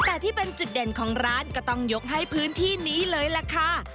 แต่ที่เป็นจุดเด่นของร้านก็ต้องยกให้พื้นที่นี้เลยล่ะค่ะ